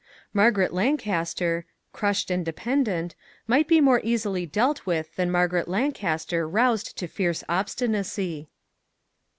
Margaret Lancaster, crushed and dependent, might be more easily dealt with than Margaret Lancaster roused to fierce obstinacy.